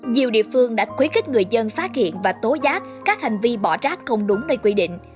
nhiều địa phương đã khuyến khích người dân phát hiện và tố giác các hành vi bỏ rác không đúng nơi quy định